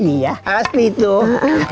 iya asli tuh